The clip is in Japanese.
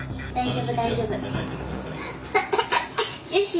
大丈夫大丈夫。